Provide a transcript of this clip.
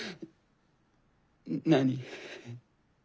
何？